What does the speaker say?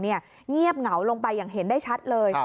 เงียบเหงาลงไปอย่างเห็นได้ชัดเลย